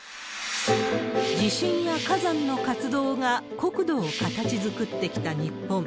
地震や火山の活動が国土を形作ってきた日本。